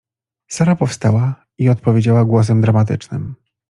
Sara powstała i odpowiedziała głosem dramatycznym.